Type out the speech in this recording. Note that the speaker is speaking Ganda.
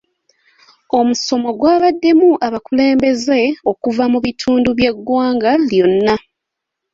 Omusomo gwabaddemu abakulembeze okuva mu bitundu by'eggwanga lyonna.